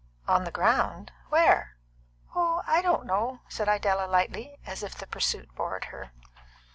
"On the ground where?" "Oh, I don't know," said Idella lightly, as if the pursuit bored her.